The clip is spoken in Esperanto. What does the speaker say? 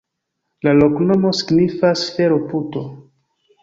La loknomo signifas: fero-puto.